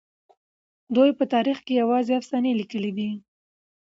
دوی په تاريخ کې يوازې افسانې ليکلي دي.